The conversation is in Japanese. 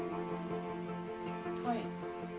はい。